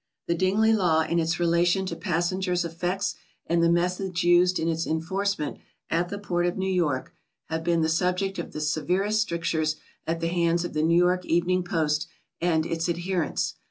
The Dingley law in its relation to passengers' effects and the methods used in its enforcement at the port of New York have been the subject of the severest strictures at the hands of the New York Evening Post and its adherents.